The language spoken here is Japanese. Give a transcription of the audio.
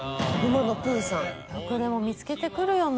どこでも見つけてくるよな。